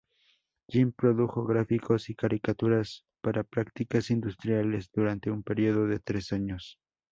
Jim produjo gráficos y caricaturas para prácticas industriales durante un periodo de tres años.